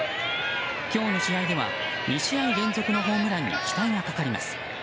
今日の試合では２試合連続のホームランに期待がかかります。